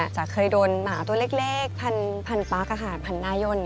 จะเคยโดนหมาตัวเล็กพันปั๊กอาหารพันหน้าย่น